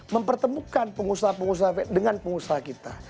mempertemukan pengusaha pengusaha dengan pengusaha kita